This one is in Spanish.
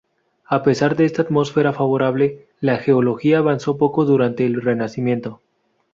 A pesar de esa atmósfera favorable, la geología avanzó poco durante el Renacimiento.